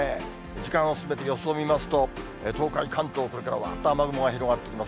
時間を進めて予想を見ますと、東海、関東、これからはわっと雨雲が広がってきます。